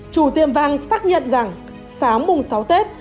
chủ tiệm vàng xác nhận rằng sáng mùng sáu tết